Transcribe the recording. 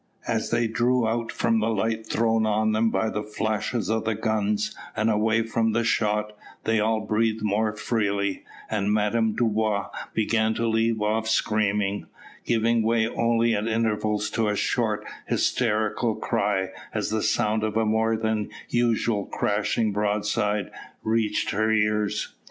As they drew out from the light thrown on them by the flashes of the guns, and away from the shot, they all breathed more freely, and Madame Dubois began to leave off screaming, giving way only at intervals to a short hysterical cry as the sound of a more than usual crashing broadside reached her ears.